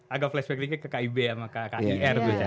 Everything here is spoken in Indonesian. agak flashback sedikit ke kib sama kir gitu ya